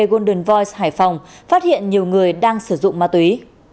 golden voice hải phòng phát hiện nhiều người đang sử dụng ma túy